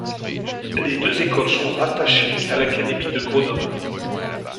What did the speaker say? Les deux écoles sont rattachées à l'académie de Grenoble.